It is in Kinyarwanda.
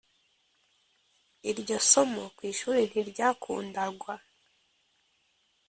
iryo somo ku ishuri ntiryakundagwa.